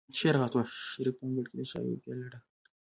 شریف په انګړ کې د چایو پیاله ډکه کړه.